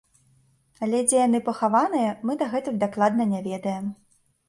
Але дзе яны пахаваныя, мы дагэтуль дакладна не ведаем.